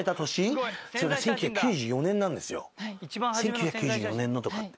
１９９４年のとかって？